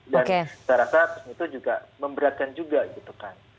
dan saya rasa itu juga memberatkan juga gitu kan